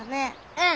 うん。